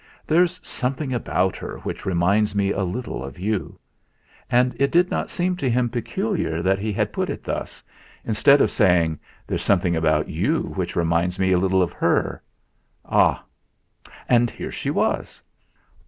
There's something about her which reminds me a little of you," and it did not seem to him peculiar that he had put it thus, instead of saying: "There's something about you which reminds me a little of her." Ah! And here she was!